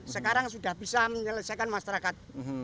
sekarang sudah bisa menyelesaikan masyarakat